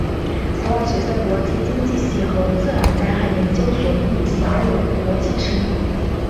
此外学校的国际经济系和自然灾害研究所亦享有国际声誉。